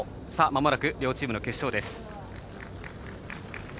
まもなく両チームの決勝です。